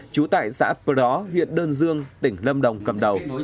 chú tại xã bờ đó huyện đơn dương tỉnh lâm đồng cầm đầu